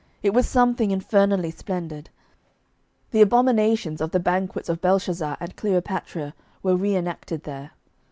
It was something infernally splendid. The abominations of the banquets of Belshazzar and Cleopatra were re enacted there.